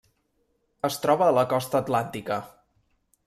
Es troba a la costa atlàntica.